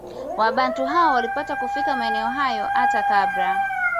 Wabantu hao walipata kufika maeneo hayo hata kabla